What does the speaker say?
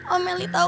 oh meli tau